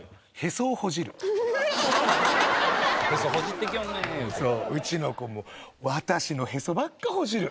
そううちの子も私のへそばっかほじる。